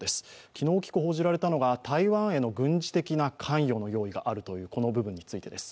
昨日、大きく報じられたのが台湾への軍事的関与があるというこの部分についてです。